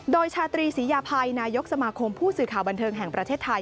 โดยชาตรีศรียาภัยนายกสมาคมผู้สื่อข่าวบันเทิงแห่งประเทศไทย